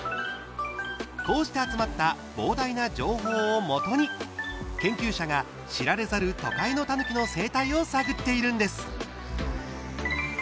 こうして集まった膨大な情報をもとに研究者が知られざる都会のたぬきの生態を探っているんです。